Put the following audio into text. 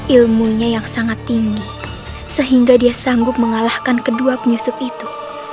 ilmunya yang sangat tinggi sehingga dia sanggup mengalahkan kedua penyusup itu